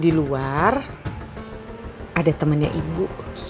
di luar ada temannya ibu